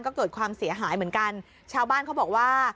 ก็เกิดความเสียหายเหมือนกันชาวบ้านเขาบอกว่า